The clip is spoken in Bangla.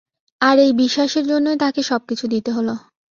আর এই বিশ্বাসের জন্যই তাকে সবকিছু দিতে হলো।